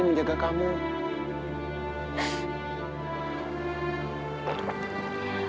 somehow engga mau bawa aja